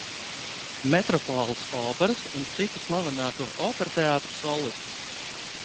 Metropoles operas un citu slavenāko operteātru solists.